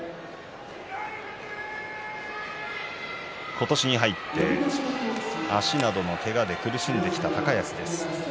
今年に入って足などのけがで苦しんできた高安です。